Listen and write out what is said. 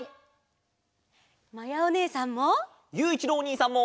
まやおねえさんも！